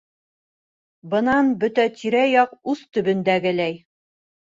Бынан бөтә тирә-яҡ ус төбөндәгеләй